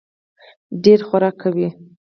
ډېر خورک کوي.